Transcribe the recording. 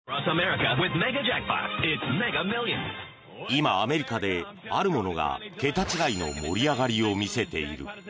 今、アメリカであるものが桁違いの盛り上がりを見せている。